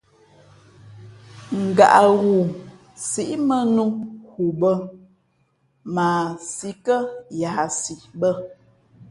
Ngaʼghoo síʼ mᾱnnū nhu bᾱ, mα a sī kά yahsi bά.